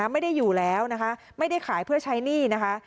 ไม่ได้อยู่แล้วนะคะไม่ได้ขายเพื่อใช้หนี้นะคะ